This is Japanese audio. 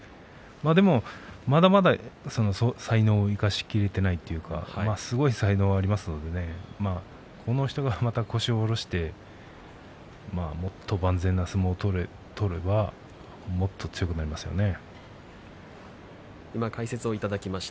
でも、まだまだ才能を生かしきれていないというかすごい才能がありますのでこの人が腰を下ろしてもっと万全な相撲を取ればもっと強くなりますよね。